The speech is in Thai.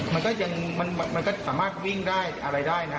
มันก็ยังมันก็สามารถวิ่งได้อะไรได้นะ